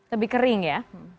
lebih kering ya